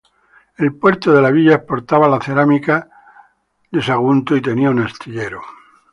El puerto de la villa exportaba la cerámica de Buckley, y tenía un astillero.